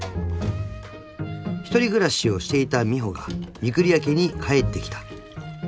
［１人暮らしをしていた美帆が御厨家に帰ってきた］